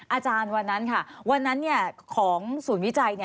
อาจารย์วันนั้นค่ะวันนั้นของศูนย์วิจัย